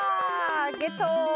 ゲットー。